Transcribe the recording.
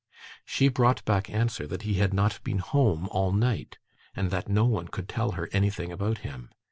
She brought back answer that he had not been home all night, and that no one could tell her anything about him.